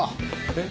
えっ？